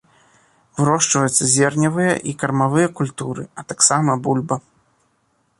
Вырошчваюцца зерневыя і кармавыя культуры, а таксама бульба.